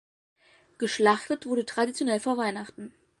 Geschlachtet wurde traditionell vor Weihnachten.